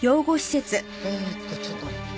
ええとちょっと待って。